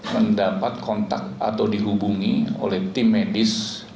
mendapat kontak atau dihubungi oleh tim medis